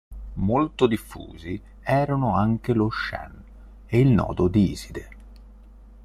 Molto diffusi erano anche lo shen e il Nodo di Iside.